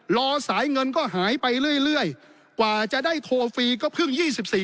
รอสายเงินก็หายไปเรื่อยเรื่อยกว่าจะได้โทรฟรีก็เพิ่งยี่สิบสี่